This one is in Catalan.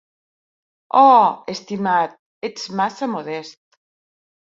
Oh, estimat, ets massa modest.